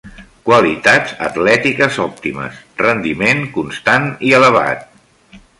Qualitats atlètiques òptimes, rendiment constant i elevat.